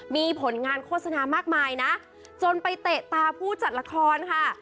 มีผลงานโฆษณามากมายนะจนไปเตะตาผู้จัดละครค่ะ